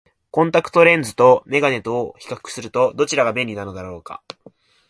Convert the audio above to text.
コンタクトレンズと眼鏡とを比較すると、どちらが便利なのだろうか。